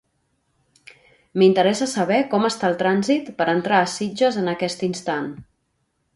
M'interessa saber com està el trànsit per entrar a Sitges en aquest instant.